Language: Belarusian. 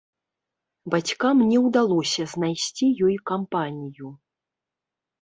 Бацькам не ўдалося знайсці ёй кампанію.